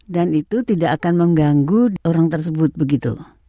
dan itu tidak akan mengganggu orang tersebut begitu